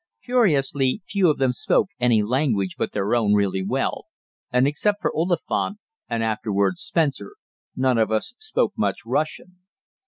Curiously, few of them spoke any language but their own really well, and except for Oliphant, and afterwards Spencer, none of us spoke much Russian.